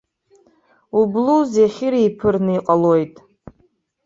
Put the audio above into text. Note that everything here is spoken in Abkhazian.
Ублуз еихьыреиԥырны иҟалоит.